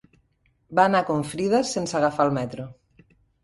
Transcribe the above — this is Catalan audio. Va anar a Confrides sense agafar el metro.